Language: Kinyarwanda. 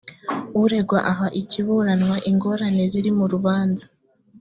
uregwa aha ikiburanwa ingorane ziri mu rubanza.